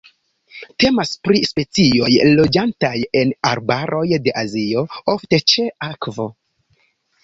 Temas pri specioj loĝantaj en arbaroj de Azio, ofte ĉe akvo.